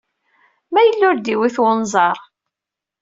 Ma yella ur d-iwit wenẓar.